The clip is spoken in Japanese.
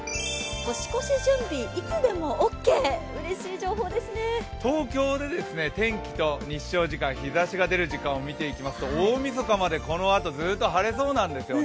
年越し準備、いつでもＯＫ、東京で天気と日照時間、日差しが出る時間を見てみますと、大みそかまでこのまま晴れそうなんですよね。